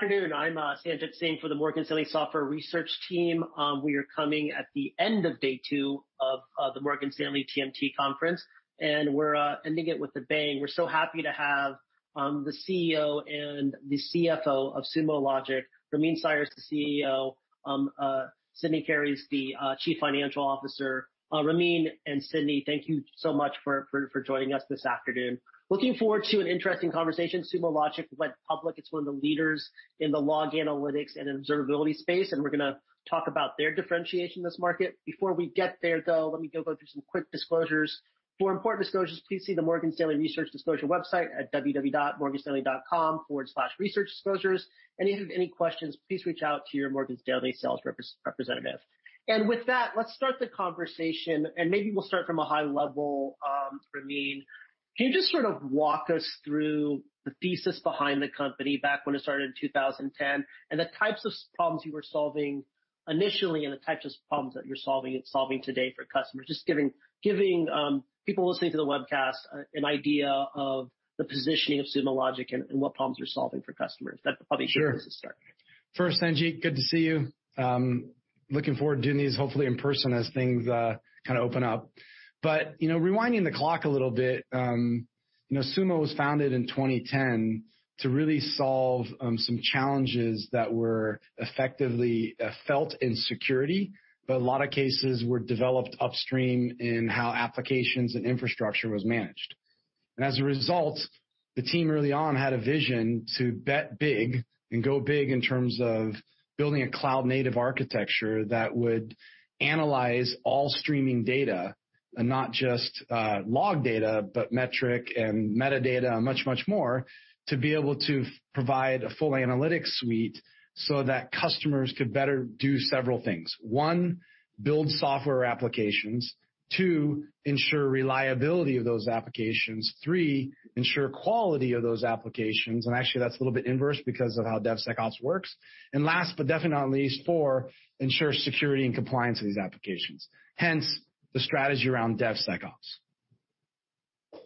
Good afternoon. I'm Sanjit Singh for the Morgan Stanley Software Research Team. We are coming at the end of day two of the Morgan Stanley TMT Conference, and we're ending it with a bang. We're so happy to have the CEO and the CFO of Sumo Logic. Ramin Sayar is the CEO, Sydney Carey is the Chief Financial Officer. Ramin and Sydney, thank you so much for joining us this afternoon. Looking forward to an interesting conversation. Sumo Logic went public. It's one of the leaders in the log analytics and observability space, and we're going to talk about their differentiation in this market. Before we get there, though, let me go through some quick disclosures. For important disclosures, please see the Morgan Stanley Research Disclosure website at www.morganstanley.com/researchdisclosures. If you have any questions, please reach out to your Morgan Stanley sales representative. With that, let's start the conversation, and maybe we'll start from a high level. Ramin, can you just sort of walk us through the thesis behind the company back when it started in 2010, and the types of problems you were solving initially and the types of problems that you're solving today for customers? Just giving people listening to the webcast an idea of the positioning of Sumo Logic and what problems you're solving for customers. That probably- Sure. A good place to start. First, Sanjit, good to see you. Looking forward to doing these hopefully in person as things open up. Rewinding the clock a little bit, Sumo was founded in 2010 to really solve some challenges that were effectively felt in security, but a lot of cases were developed upstream in how applications and infrastructure was managed. As a result, the team early on had a vision to bet big and go big in terms of building a cloud-native architecture that would analyze all streaming data, not just log data, but metric and metadata and much, much more, to be able to provide a full analytics suite so that customers could better do several things. One, build software applications. Two, ensure reliability of those applications. Three, ensure quality of those applications. Actually that's a little bit inverse because of how DevSecOps works. Last, but definitely not least, four, ensure security and compliance of these applications. Hence, the strategy around DevSecOps.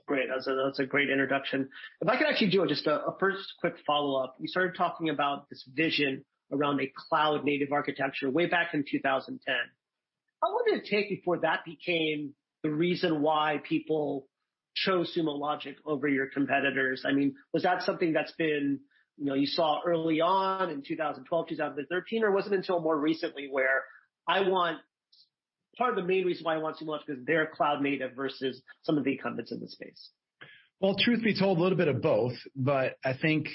Great. That's a great introduction. If I could actually do just a first quick follow-up. You started talking about this vision around a cloud-native architecture way back in 2010. How long did it take before that became the reason why people chose Sumo Logic over your competitors? Was that something that you saw early on in 2012, 2013, or was it until more recently where part of the main reason why I want Sumo Logic is because they're cloud-native versus some of the incumbents in this space? Well, truth be told, a little bit of both. I think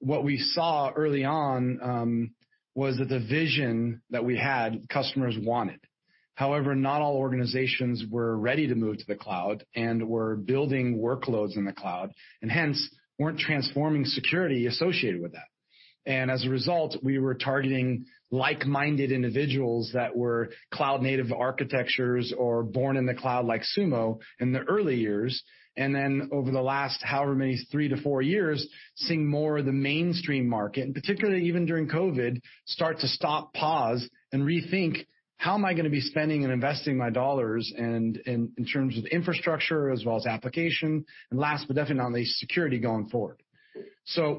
what we saw early on, was that the vision that we had, customers wanted. However, not all organizations were ready to move to the cloud and were building workloads in the cloud, and hence, weren't transforming security associated with that. As a result, we were targeting like-minded individuals that were cloud-native architectures or born in the cloud, like Sumo, in the early years. Then over the last however many, three to four years, seeing more of the mainstream market, and particularly even during COVID, start to stop, pause, and rethink, how am I going to be spending and investing my dollars in terms of infrastructure as well as application, and last, but definitely not least, security going forward.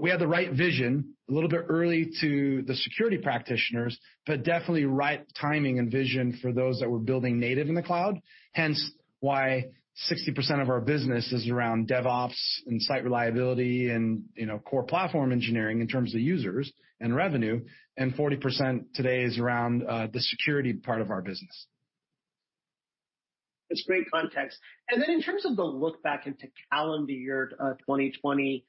We had the right vision a little bit early to the security practitioners, but definitely right timing and vision for those that were building native in the cloud. Hence, why 60% of our business is around DevOps and site reliability and core platform engineering in terms of users and revenue, and 40% today is around the security part of our business. That's great context. In terms of the look back into calendar year 2020,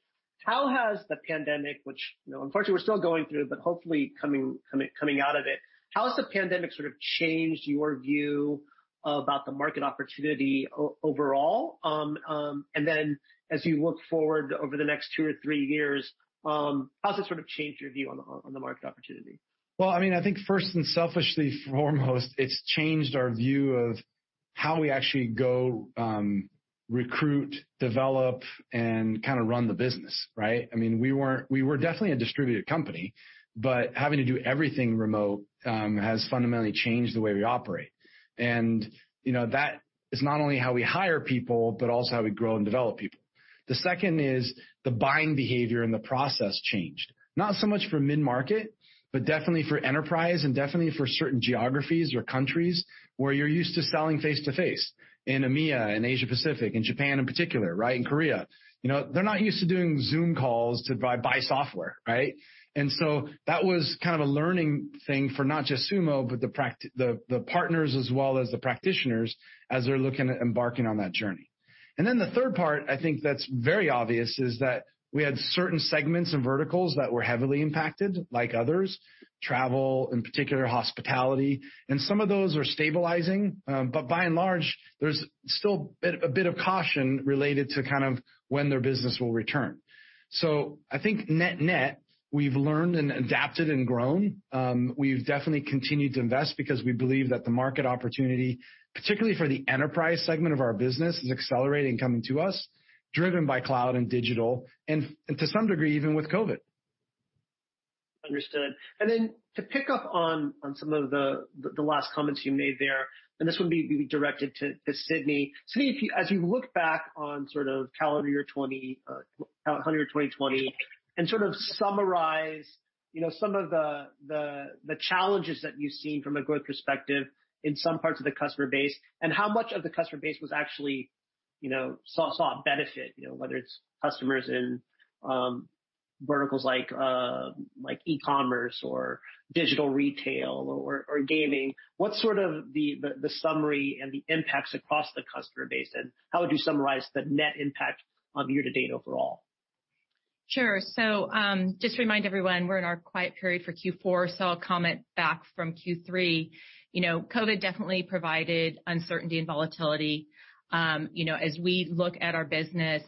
how has the pandemic, which unfortunately we're still going through, but hopefully coming out of it, how has the pandemic sort of changed your view about the market opportunity overall? As you look forward over the next two or three years, how has it sort of changed your view on the market opportunity? Having to do everything remote has fundamentally changed the way we operate. That is not only how we hire people, but also how we grow and develop people. The second is the buying behavior and the process changed. Not so much for mid-market, but definitely for enterprise and definitely for certain geographies or countries where you're used to selling face-to-face. In EMEA and Asia-Pacific, in Japan in particular, right, in Korea. They're not used to doing Zoom calls to buy software, right? That was kind of a learning thing for not just Sumo, but the partners as well as the practitioners as they're looking at embarking on that journey. The third part, I think that's very obvious, is that we had certain segments and verticals that were heavily impacted, like others, travel, in particular hospitality, and some of those are stabilizing. By and large, there's still a bit of caution related to when their business will return. I think net-net, we've learned and adapted and grown. We've definitely continued to invest because we believe that the market opportunity, particularly for the enterprise segment of our business, is accelerating coming to us, driven by cloud and digital, and to some degree, even with COVID. Understood. To pick up on some of the last comments you made there, this would be really directed to Sydney. Sydney, as you look back on calendar year 2020 and summarize some of the challenges that you've seen from a growth perspective in some parts of the customer base, and how much of the customer base saw a benefit, whether it's customers in verticals like e-commerce or digital retail or gaming. What's the summary and the impacts across the customer base, and how would you summarize the net impact on year to date overall? Sure. Just to remind everyone, we're in our quiet period for Q4, I'll comment back from Q3. COVID definitely provided uncertainty and volatility. As we look at our business,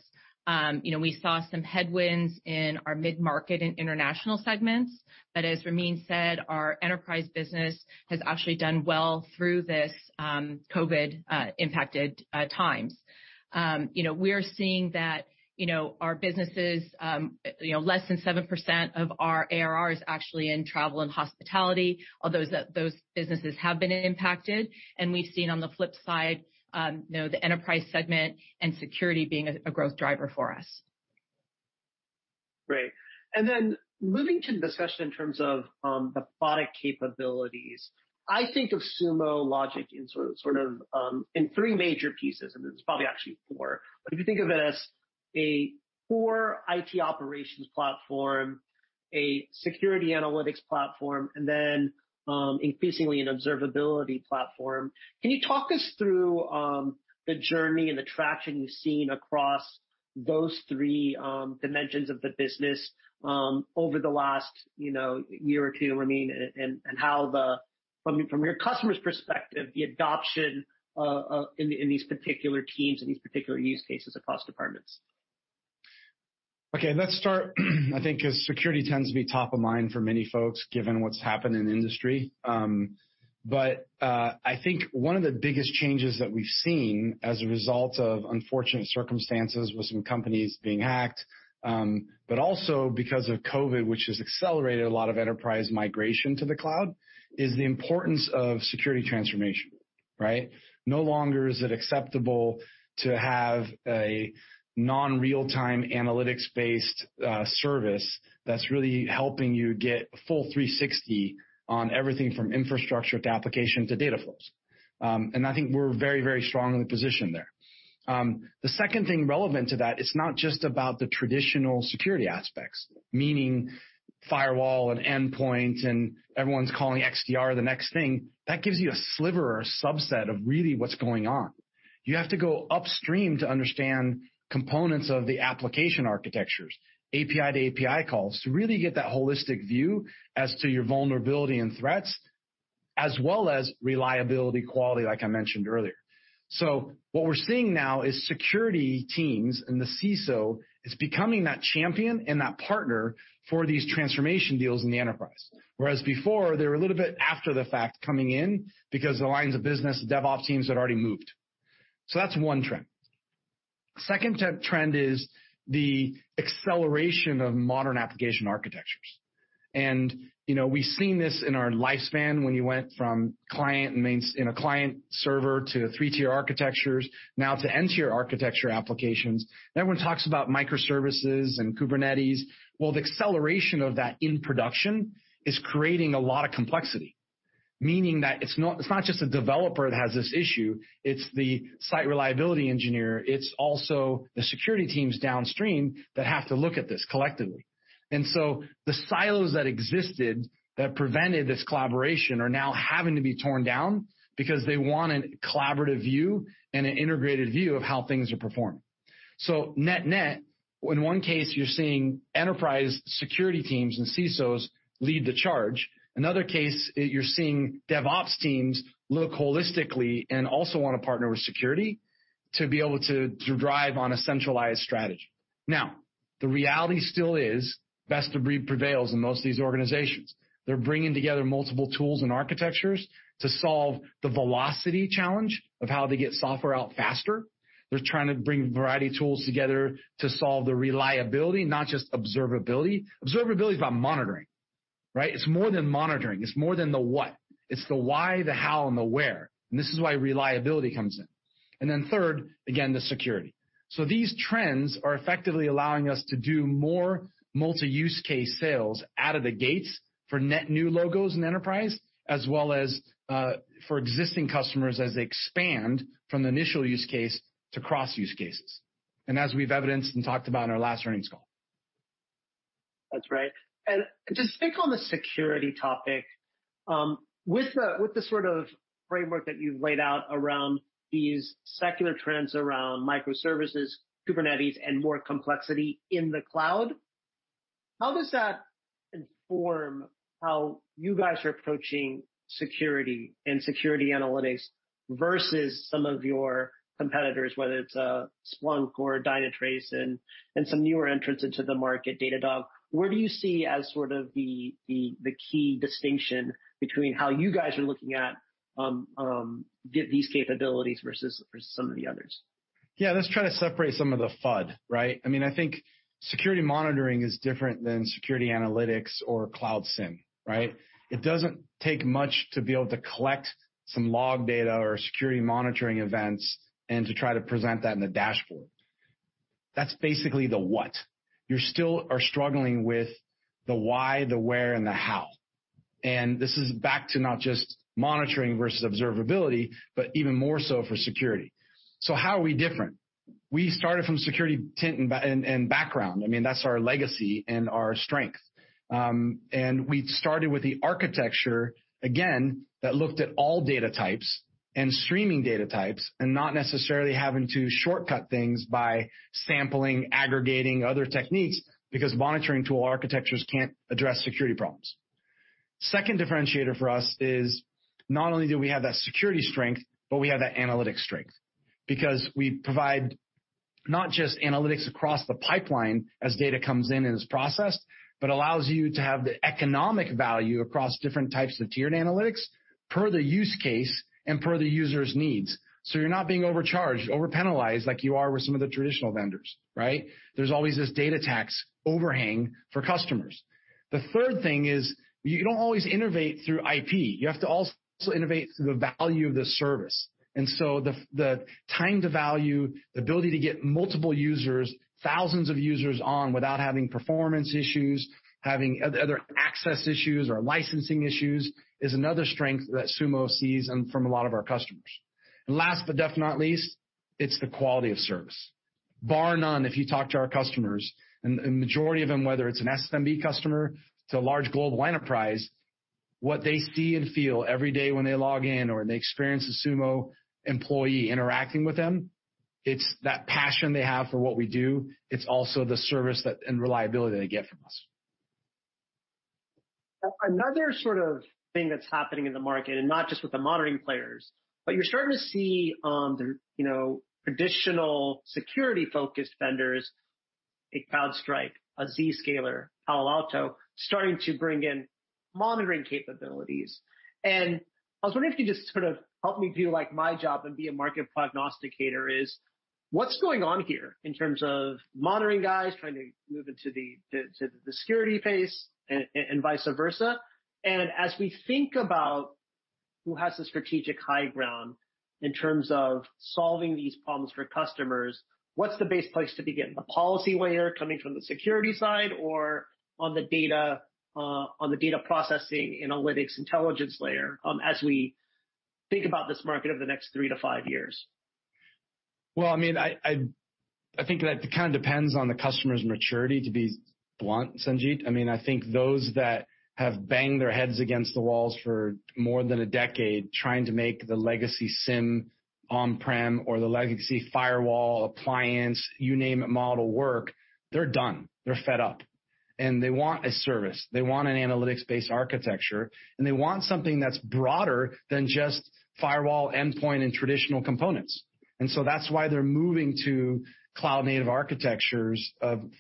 we saw some headwinds in our mid-market and international segments. As Ramin said, our enterprise business has actually done well through this COVID impacted times. We're seeing that our businesses, less than 7% of our ARR is actually in travel and hospitality, although those businesses have been impacted, and we've seen on the flip side, the enterprise segment and security being a growth driver for us. Great. Moving to the discussion in terms of the product capabilities. I think of Sumo Logic in three major pieces, and there's probably actually four. If you think of it as a core IT operations platform, a security analytics platform, and then increasingly an observability platform, can you talk us through the journey and the traction you've seen across those three dimensions of the business over the last year or two, Ramin? From your customer's perspective, the adoption in these particular teams, in these particular use cases across departments. Okay, let's start, I think, because security tends to be top of mind for many folks, given what's happened in the industry. I think one of the biggest changes that we've seen as a result of unfortunate circumstances with some companies being hacked, also because of COVID, which has accelerated a lot of enterprise migration to the cloud, is the importance of security transformation, right? No longer is it acceptable to have a non-real-time analytics-based service that's really helping you get a full 360 on everything from infrastructure to application to data flows. I think we're very strongly positioned there. The second thing relevant to that, it's not just about the traditional security aspects, meaning firewall and endpoint, and everyone's calling XDR the next thing. That gives you a sliver or a subset of really what's going on. You have to go upstream to understand components of the application architectures, API to API calls, to really get that holistic view as to your vulnerability and threats, as well as reliability quality, like I mentioned earlier. What we're seeing now is security teams and the CISO is becoming that champion and that partner for these transformation deals in the enterprise. Whereas before, they were a little bit after the fact coming in because the DevOps teams had already moved. That's one trend. Second trend is the acceleration of modern application architectures. We've seen this in our lifespan when you went from client server to three tier architectures, now to N-tier architecture applications. Everyone talks about microservices and Kubernetes. Well, the acceleration of that in production is creating a lot of complexity, meaning that it's not just a developer that has this issue, it's the site reliability engineer. It's also the security teams downstream that have to look at this collectively. The silos that existed that prevented this collaboration are now having to be torn down because they want a collaborative view and an integrated view of how things are performing. Net net, in one case, you're seeing enterprise security teams and CISOs lead the charge. Another case, you're seeing DevOps teams look holistically and also want to partner with security to be able to drive on a centralized strategy. The reality still is best of breed prevails in most of these organizations. They're bringing together multiple tools and architectures to solve the velocity challenge of how to get software out faster. They're trying to bring a variety of tools together to solve the reliability, not just observability. Observability is about monitoring, right? It's more than monitoring. It's more than the what. It's the why, the how, and the where, and this is why reliability comes in. Third, again, the security. These trends are effectively allowing us to do more multi-use case sales out of the gates for net new logos in enterprise, as well as for existing customers as they expand from the initial use case to cross use cases. As we've evidenced and talked about in our last earnings call. That's right. Just to pick on the security topic, with the sort of framework that you've laid out around these secular trends around microservices, Kubernetes, and more complexity in the cloud, how does that inform how you guys are approaching security and security analytics versus some of your competitors, whether it's Splunk or Dynatrace and some newer entrants into the market, Datadog? Where do you see as sort of the key distinction between how you guys are looking at these capabilities versus some of the others? Yeah. Let's try to separate some of the FUD, right? I think security monitoring is different than security analytics or Cloud SIEM. It doesn't take much to be able to collect some log data or security monitoring events and to try to present that in the dashboard. That's basically the what. You still are struggling with the why, the where, and the how. This is back to not just monitoring versus observability, but even more so for security. How are we different? We started from security bent and background. That's our legacy and our strength. We started with the architecture, again, that looked at all data types and streaming data types, and not necessarily having to shortcut things by sampling, aggregating other techniques, because monitoring tool architectures can't address security problems. Second differentiator for us is not only do we have that security strength, but we have that analytic strength. Because we provide not just analytics across the pipeline as data comes in and is processed, but allows you to have the economic value across different types of tiered analytics per the use case and per the user's needs. You're not being overcharged, over-penalized like you are with some of the traditional vendors. There's always this data tax overhang for customers. The third thing is, you don't always innovate through IP. You have to also innovate through the value of the service. The time to value, the ability to get multiple users, thousands of users on without having performance issues, having other access issues or licensing issues, is another strength that Sumo sees from a lot of our customers. Last but definitely not least, it's the quality of service. Bar none, if you talk to our customers, and the majority of them, whether it's an SMB customer to a large global enterprise, what they see and feel every day when they log in or they experience a Sumo employee interacting with them, it's that passion they have for what we do. It's also the service and reliability they get from us. Another thing that's happening in the market, not just with the monitoring players, but you're starting to see the traditional security-focused vendors, a CrowdStrike, a Zscaler, Palo Alto, starting to bring in monitoring capabilities. I was wondering if you just help me do my job and be a market prognosticator is, what's going on here in terms of monitoring guys trying to move into the security space and vice versa. As we think about who has the strategic high ground in terms of solving these problems for customers, what's the best place to begin? The policy layer coming from the security side, or on the data processing analytics intelligence layer, as we think about this market over the next three to five years? I think that depends on the customer's maturity, to be blunt, Sanjit. I think those that have banged their heads against the walls for more than a decade trying to make the legacy SIEM on-prem or the legacy firewall appliance, you name it, model work. They're done. They're fed up. They want a service. They want an analytics-based architecture, and they want something that's broader than just firewall endpoint and traditional components. That's why they're moving to cloud-native architectures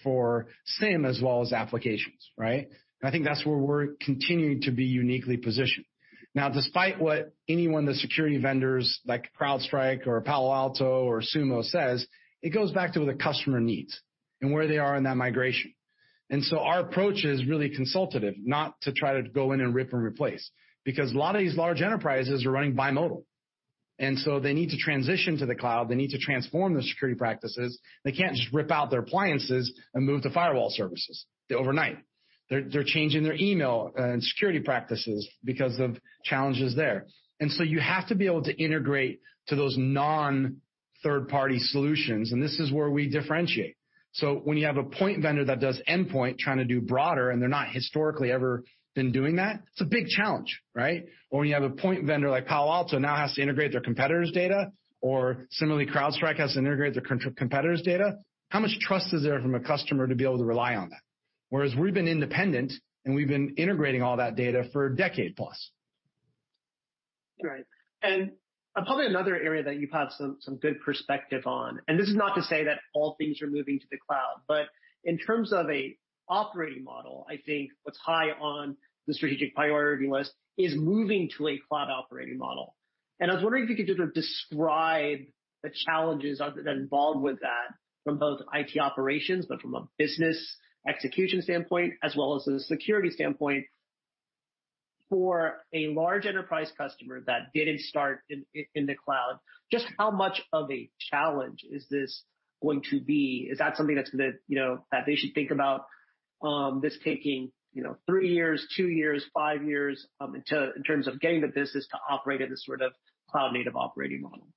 for SIEM as well as applications. I think that's where we're continuing to be uniquely positioned. Now, despite what anyone, the security vendors like CrowdStrike or Palo Alto or Sumo says, it goes back to the customer needs and where they are in that migration. Our approach is really consultative, not to try to go in and rip and replace. Because a lot of these large enterprises are running bimodal. They need to transition to the cloud. They need to transform their security practices. They can't just rip out their appliances and move to firewall services overnight. They're changing their email and security practices because of challenges there. You have to be able to integrate to those non-third-party solutions, and this is where we differentiate. When you have a point vendor that does endpoint trying to do broader, and they're not historically ever been doing that, it's a big challenge. When you have a point vendor like Palo Alto now has to integrate their competitor's data, or similarly, CrowdStrike has to integrate their competitor's data, how much trust is there from a customer to be able to rely on that? We've been independent and we've been integrating all that data for a decade plus. Right. Probably another area that you have some good perspective on, this is not to say that all things are moving to the cloud, but in terms of an operating model, I think what's high on the strategic priority list is moving to a cloud operating model. I was wondering if you could just describe the challenges that are involved with that from both IT operations, but from a business execution standpoint, as well as a security standpoint. For a large enterprise customer that didn't start in the cloud, just how much of a challenge is this going to be? Is that something that they should think about, this taking three years, two years, five years, in terms of getting the business to operate at this cloud-native operating model?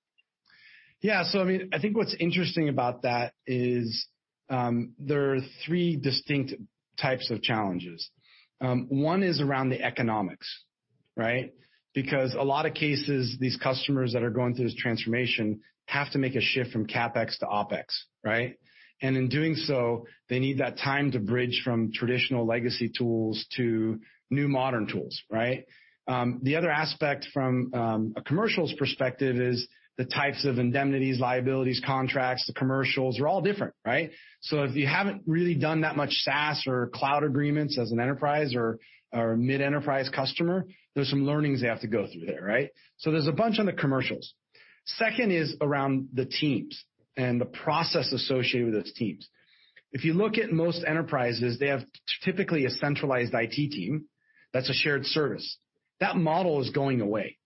Yeah. I think what's interesting about that is, there are three distinct types of challenges. One is around the economics. Because a lot of cases, these customers that are going through this transformation have to make a shift from CapEx to OpEx. In doing so, they need that time to bridge from traditional legacy tools to new modern tools. The other aspect from a commercial's perspective is the types of indemnities, liabilities, contracts, the commercials are all different. If you haven't really done that much SaaS or cloud agreements as an enterprise or mid-enterprise customer, there's some learnings they have to go through there. There's a bunch on the commercials. Second is around the teams and the process associated with those teams. If you look at most enterprises, they have typically a centralized IT team that's a shared service. That model is going away,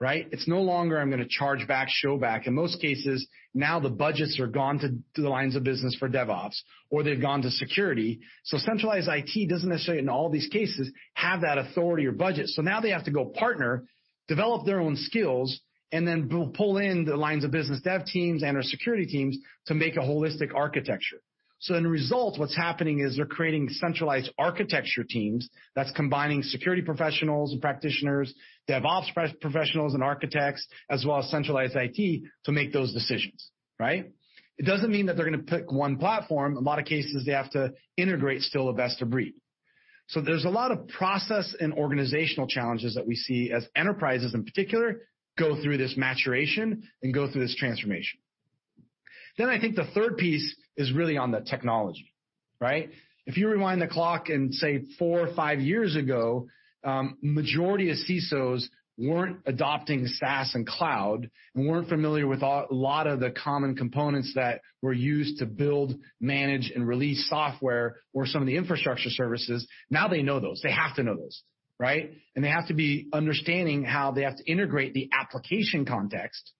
right? It's no longer, I'm going to charge back, show back. In most cases, now the budgets are gone to the lines of business for DevOps, or they've gone to security. Centralized IT doesn't necessarily, in all these cases, have that authority or budget. Now they have to go partner, develop their own skills, and then pull in the lines of business dev teams and/or security teams to make a holistic architecture. In result, what's happening is they're creating centralized architecture teams that's combining security professionals and practitioners, DevOps professionals and architects, as well as centralized IT to make those decisions. Right? It doesn't mean that they're going to pick one platform. A lot of cases, they have to integrate still a best of breed. There's a lot of process and organizational challenges that we see as enterprises, in particular, go through this maturation and go through this transformation. I think the third piece is really on the technology, right? If you rewind the clock and say four or five years ago, majority of CISOs weren't adopting SaaS and cloud and weren't familiar with a lot of the common components that were used to build, manage, and release software or some of the infrastructure services. Now they know those. They have to know those, right? They have to be understanding how they have to integrate the application context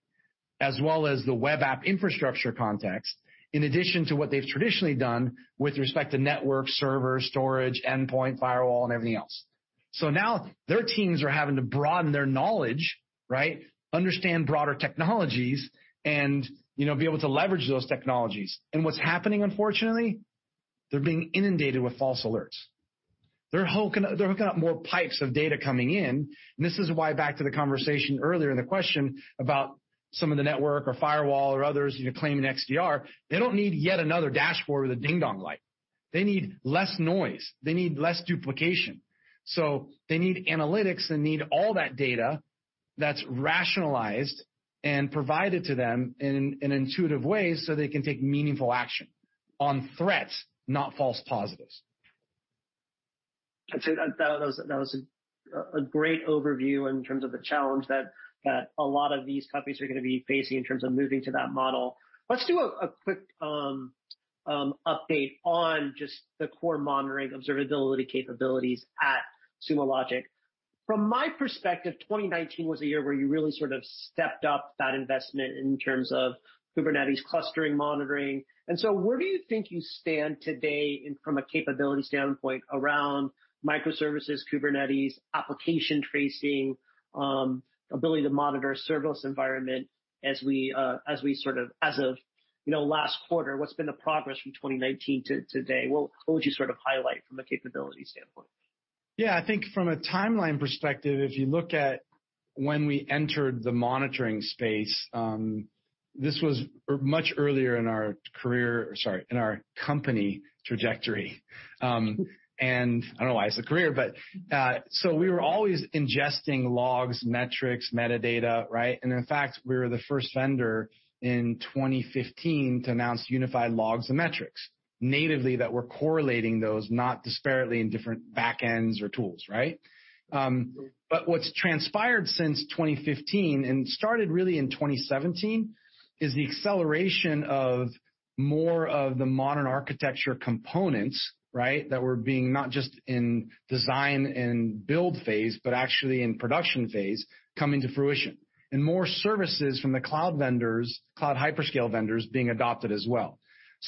as well as the web app infrastructure context, in addition to what they've traditionally done with respect to network, server, storage, endpoint, firewall, and everything else. Now their teams are having to broaden their knowledge, right? Understand broader technologies and be able to leverage those technologies. What's happening, unfortunately, they're being inundated with false alerts. They're hooking up more pipes of data coming in. This is why back to the conversation earlier and the question about some of the network or firewall or others claiming XDR. They don't need yet another dashboard with a ding-dong light. They need less noise. They need less duplication. They need analytics. They need all that data that's rationalized and provided to them in an intuitive way so they can take meaningful action on threats, not false positives. That was a great overview in terms of the challenge that a lot of these companies are going to be facing in terms of moving to that model. Let's do a quick update on just the core monitoring observability capabilities at Sumo Logic. From my perspective, 2019 was a year where you really sort of stepped up that investment in terms of Kubernetes clustering monitoring. Where do you think you stand today from a capability standpoint around microservices, Kubernetes, application tracing, ability to monitor a serverless environment as of last quarter. What's been the progress from 2019 to today? What would you highlight from a capability standpoint? I think from a timeline perspective, if you look at when we entered the monitoring space, this was much earlier in our company trajectory. I don't know why I said career, we were always ingesting logs, metrics, metadata, right? In fact, we were the first vendor in 2015 to announce unified logs and metrics natively that were correlating those, not disparately in different backends or tools, right? What's transpired since 2015 and started really in 2017, is the acceleration of more of the modern architecture components, right, that were being not just in design and build phase, but actually in production phase coming to fruition. More services from the cloud vendors, cloud hyperscale vendors being adopted as well.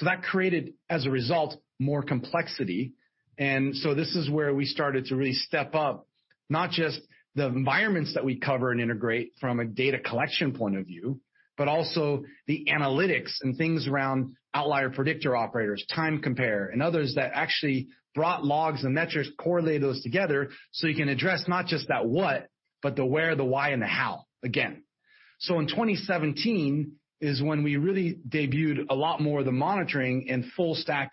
That created, as a result, more complexity. This is where we started to really step up, not just the environments that we cover and integrate from a data collection point of view, but also the analytics and things around outlier predictor operators, time compare, and others that actually brought logs and metrics, correlate those together, so you can address not just that what, but the where, the why, and the how, again. In 2017 is when we really debuted a lot more of the monitoring and full stack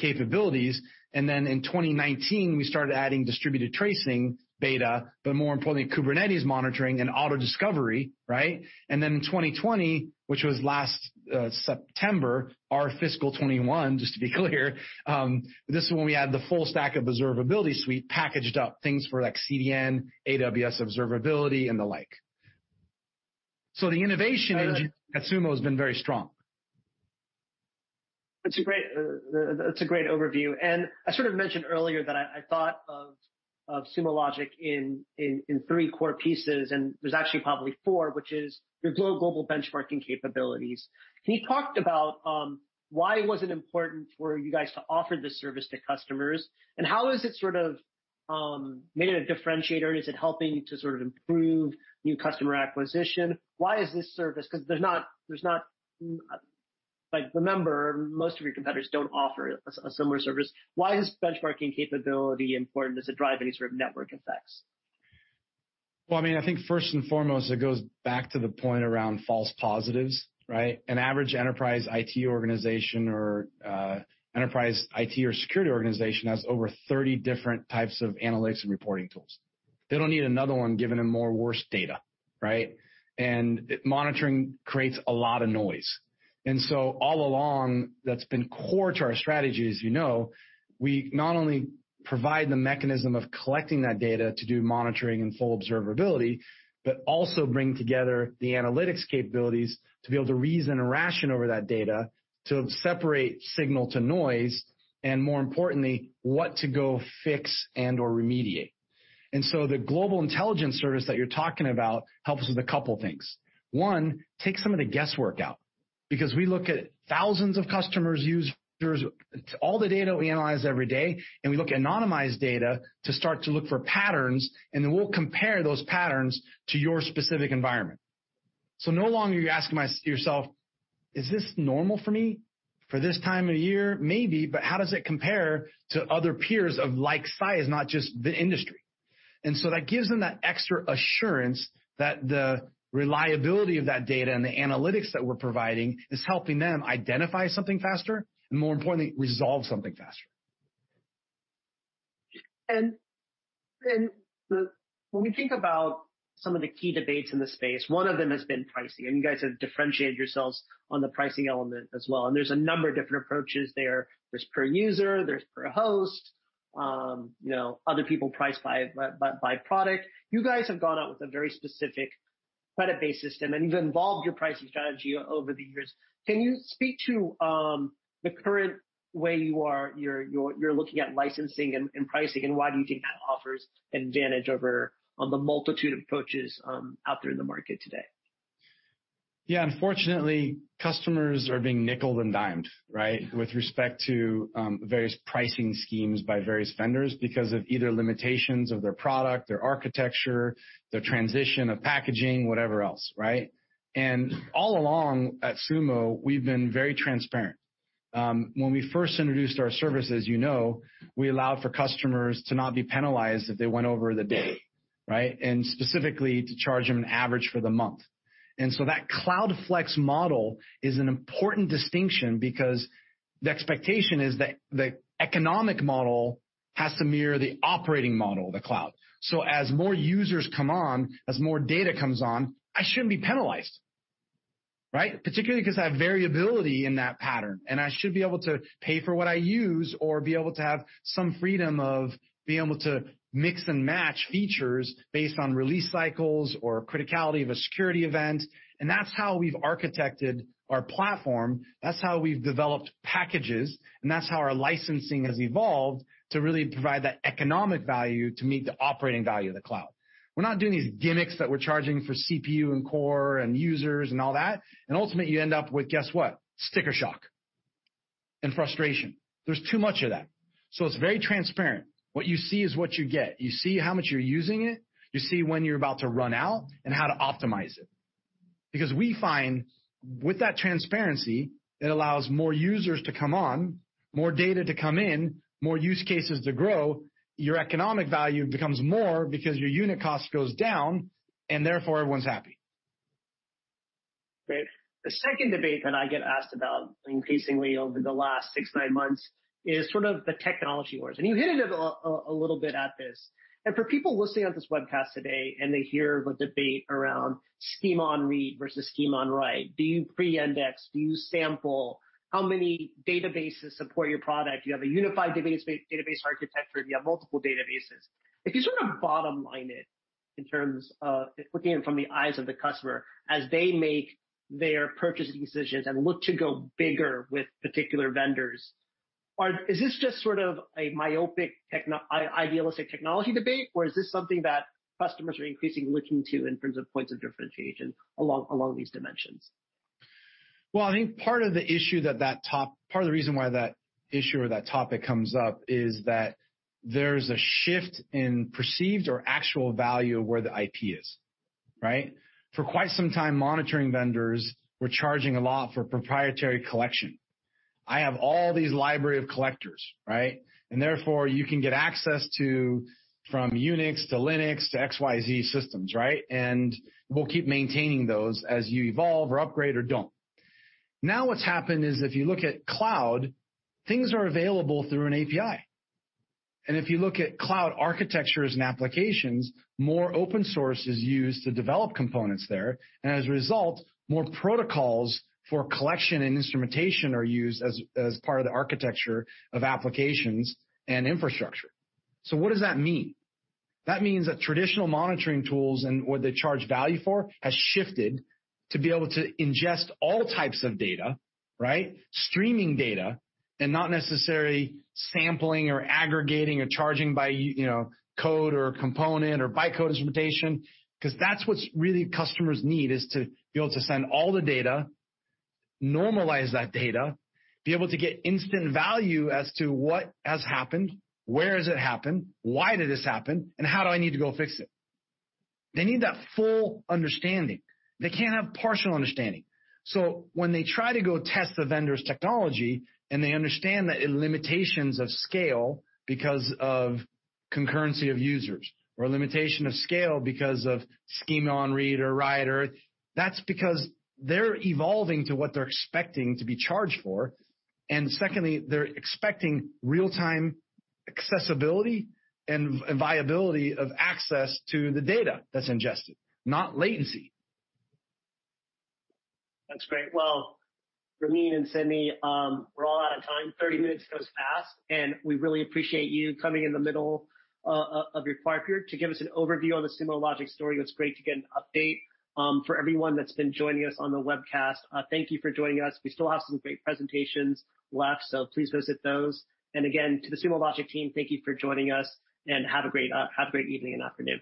capabilities. In 2019, we started adding distributed tracing beta, but more importantly, Kubernetes monitoring and auto-discovery, right? In 2020, which was last September, our fiscal 2021, just to be clear, this is when we had the full stack of observability suite packaged up things for CDN, AWS observability, and the like. The innovation engine at Sumo has been very strong. That's a great overview. I sort of mentioned earlier that I thought of Sumo Logic in three core pieces, and there's actually probably four, which is your global benchmarking capabilities. Can you talk about why was it important for you guys to offer this service to customers, and how has it sort of made it a differentiator? Is it helping to sort of improve new customer acquisition? Because there's not, like, remember, most of your competitors don't offer a similar service. Why is benchmarking capability important? Does it drive any sort of network effects? Well, I think first and foremost, it goes back to the point around false positives, right? An average enterprise IT organization or enterprise IT or security organization has over 30 different types of analytics and reporting tools. They don't need another one giving them more worse data, right? Monitoring creates a lot of noise. All along, that's been core to our strategy, as you know, we not only provide the mechanism of collecting that data to do monitoring and full observability, but also bring together the analytics capabilities to be able to reason and ration over that data, to separate signal to noise, and more importantly, what to go fix and/or remediate. The Global Intelligence Service that you're talking about helps with a couple things. One, takes some of the guesswork out. We look at thousands of customers, users, all the data that we analyze every day, and we look at anonymized data to start to look for patterns, and then we'll compare those patterns to your specific environment. No longer are you asking yourself, "Is this normal for me for this time of year?" Maybe, how does it compare to other peers of like size, not just the industry? That gives them that extra assurance that the reliability of that data and the analytics that we're providing is helping them identify something faster and, more importantly, resolve something faster. When we think about some of the key debates in this space, one of them has been pricing, and you guys have differentiated yourselves on the pricing element as well, and there's a number of different approaches there. There's per user, there's per host. Other people price by product. You guys have gone out with a very specific credit-based system, and you've evolved your pricing strategy over the years. Can you speak to the current way you're looking at licensing and pricing, and why do you think that offers an advantage over the multitude of approaches out there in the market today? Yeah. Unfortunately, customers are being nickeled and dimed, right, with respect to various pricing schemes by various vendors because of either limitations of their product, their architecture, their transition of packaging, whatever else, right? All along at Sumo, we've been very transparent. When we first introduced our service, as you know, we allowed for customers to not be penalized if they went over the day, right? Specifically to charge them an average for the month. That Cloud Flex model is an important distinction because the expectation is that the economic model has to mirror the operating model of the cloud. As more users come on, as more data comes on, I shouldn't be penalized, right? Particularly because I have variability in that pattern, I should be able to pay for what I use or be able to have some freedom of being able to mix and match features based on release cycles or criticality of a security event. That's how we've architected our platform, that's how we've developed packages, and that's how our licensing has evolved to really provide that economic value to meet the operating value of the cloud. We're not doing these gimmicks that we're charging for CPU and core and users and all that. Ultimately, you end up with, guess what? Sticker shock and frustration. There's too much of that. It's very transparent. What you see is what you get. You see how much you're using it, you see when you're about to run out, and how to optimize it. We find with that transparency, it allows more users to come on, more data to come in, more use cases to grow. Your economic value becomes more because your unit cost goes down, and therefore, everyone's happy. Great. The second debate that I get asked about increasingly over the last six, nine months is sort of the technology wars. You hit it a little bit at this. For people listening on this webcast today and they hear the debate around schema on read versus schema on write, do you pre-index, do you sample, how many databases support your product? Do you have a unified database architecture? Do you have multiple databases? If you sort of bottom line it in terms of looking in from the eyes of the customer as they make their purchasing decisions and look to go bigger with particular vendors, is this just sort of a myopic, idealistic technology debate, or is this something that customers are increasingly looking to in terms of points of differentiation along these dimensions? Well, I think part of the reason why that issue or that topic comes up is that there's a shift in perceived or actual value of where the IP is, right? For quite some time, monitoring vendors were charging a lot for proprietary collection. I have all these library of collectors, right? Therefore, you can get access to from Unix to Linux to XYZ systems, right? We'll keep maintaining those as you evolve or upgrade or don't. Now, what's happened is if you look at cloud, things are available through an API. If you look at cloud architectures and applications, more open source is used to develop components there. As a result, more protocols for collection and instrumentation are used as part of the architecture of applications and infrastructure. What does that mean? That means that traditional monitoring tools and what they charge value for has shifted to be able to ingest all types of data, right, streaming data, and not necessarily sampling or aggregating or charging by code or component or by code instrumentation. That's what's really customers need is to be able to send all the data, normalize that data, be able to get instant value as to what has happened, where has it happened, why did this happen, and how do I need to go fix it? They need that full understanding. They can't have partial understanding. When they try to go test the vendor's technology and they understand that in limitations of scale because of concurrency of users or limitation of scale because of schema on read or write. That's because they're evolving to what they're expecting to be charged for. Secondly, they're expecting real-time accessibility and viability of access to the data that's ingested, not latency. That's great. Well, Ramin and Sydney, we're all out of time. 30 minutes goes fast. We really appreciate you coming in the middle of your quarter to give us an overview on the Sumo Logic story. It's great to get an update. For everyone that's been joining us on the webcast, thank you for joining us. We still have some great presentations left. Please visit those. Again, to the Sumo Logic team, thank you for joining us. Have a great evening and afternoon.